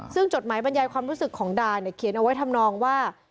ซึ่งจดหมายบรรยายความรู้สึกของดาเนี่ยเขียนเอาไว้ทำนองว่า